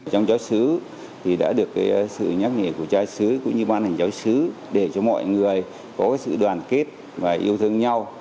trong giáo sứ thì đã được sự nhắc nhở của giáo sứ cũng như ban hành giáo sứ để cho mọi người có sự đoàn kết và yêu thương nhau